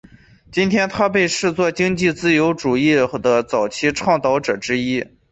在今天他被视作经济自由主义的早期倡导者之一。